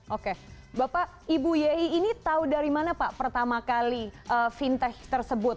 oke bapak ibu yehi ini tahu dari mana pak pertama kali fintech tersebut